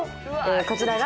こちらが。